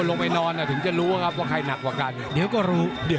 เต็มเลยครับเต็มเวทเลยครับ